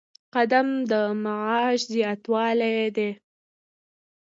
قدم د معاش زیاتوالی دی